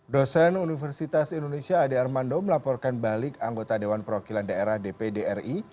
dosen universitas indonesia ade armando melaporkan balik anggota dewan perwakilan daerah dpd ri